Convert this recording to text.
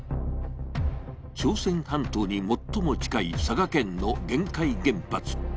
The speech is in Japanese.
朝鮮半島に最も近い佐賀県の玄海原発。